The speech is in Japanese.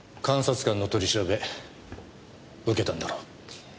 監察官の取り調べ受けたんだろ？